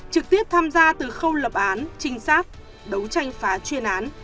trực tiếp tham gia từ khâu lập án trinh sát đấu tranh phá chuyên án